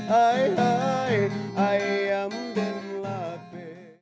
hai hai ayam dan lape